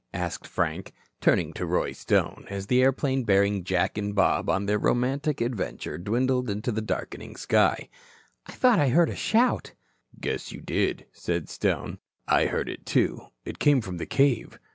asked Frank, turning to Roy Stone, as the airplane bearing Jack and Bob on their romantic adventure dwindled in the darkening sky. "I thought I heard a shout." "Guess you did," said Stone. "I heard it, too. It came from the cave."